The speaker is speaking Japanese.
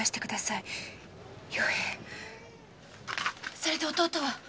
それで弟は？